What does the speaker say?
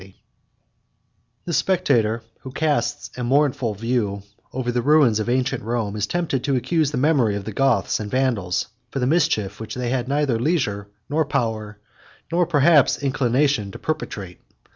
] The spectator who casts a mournful view over the ruins of ancient Rome, is tempted to accuse the memory of the Goths and Vandals, for the mischief which they had neither leisure, nor power, nor perhaps inclination, to perpetrate.